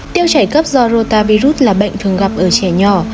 tiêu chảy cấp do rotavirus là bệnh thường gặp ở trẻ nhỏ